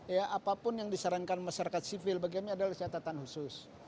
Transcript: ya apapun yang disarankan masyarakat sivil bagi kami adalah catatan khusus